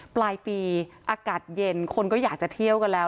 ปลายปีอากาศเย็นคนก็อยากจะเที่ยวกันแล้ว